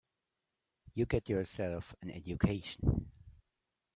You get yourself an education.